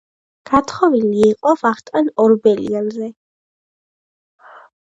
გათხოვილი იყო ვახტანგ ორბელიანზე.